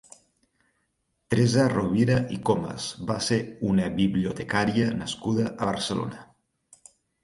Teresa Rovira i Comas va ser una bibliotecària nascuda a Barcelona.